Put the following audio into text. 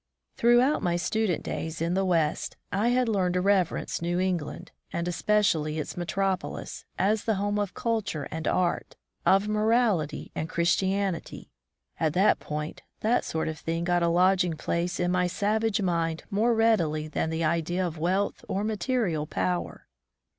Throughout my student days in the West, I had learned to reverence New England, and especially its metropolis, as the home of culture and art, of morahty and Christianity. At that period that sort of thing got a lodging place in my savage mind more readily than the idea of wealth or material power.